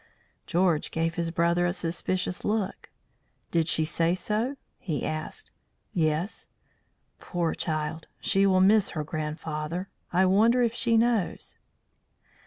George gave his brother a suspicious look. "Did she say so?" he asked. "Yes." "Poor child! She will miss her grandfather. I wonder if she knows?"